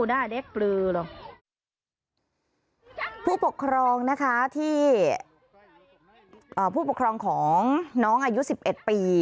หน้าเด็กปลือเหรอผู้ปกครองนะคะที่เอ่อผู้ปกครองของน้องอายุสิบเอ็ดปี